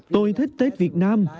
tôi thích tết việt nam